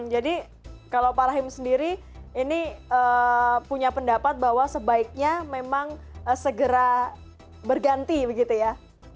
jadi kalau pak rahim sendiri ini punya pendapat bahwa sebaiknya memang segera berganti begitu ya